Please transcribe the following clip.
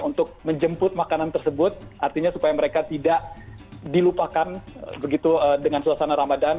untuk menjemput makanan tersebut artinya supaya mereka tidak dilupakan begitu dengan suasana ramadan